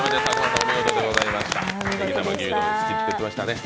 お見事でございました。